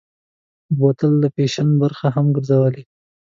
بوتل د فیشن برخه هم ګرځېدلې.